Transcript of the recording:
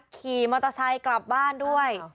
ขี่มอเตอร์ไซค์กลับบ้านด้วย